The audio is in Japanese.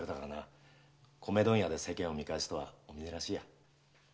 米問屋で世間を見返すとはお峰らしいや。